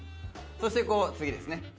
そしてこう次ですね。